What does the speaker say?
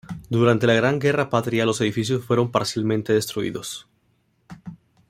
Durante la Gran Guerra Patria los edificios fueron parcialmente destruidos.